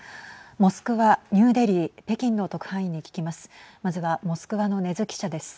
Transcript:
モスクワ、ニューデリー北京の特派員に聞きます。